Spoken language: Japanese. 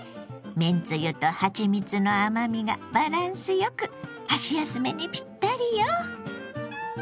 めんつゆとはちみつの甘みがバランスよく箸休めにぴったりよ。